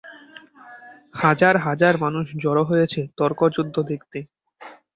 হাজার হাজার মানুষ জড়ো হয়েছে তর্কযুদ্ধ দেখতে!